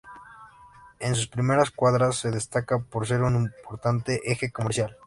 En sus primeras cuadras se destaca por ser un importante eje comercial.